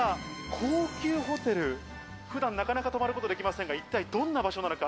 高級ホテル、普段なかなか泊まることができませんが、一体どんな場所なのか？